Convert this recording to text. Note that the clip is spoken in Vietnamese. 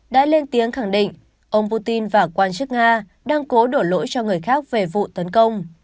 đã lên tiếng khẳng định ông putin và quan chức nga đang cố đổ lỗi cho người khác về vụ tấn công